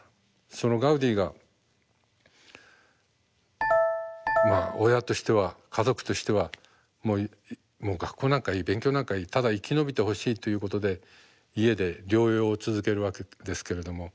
そのガウディがまあ親としては家族としてはもう学校なんかいい勉強なんかいいただ生き延びてほしいということで家で療養を続けるわけですけれども。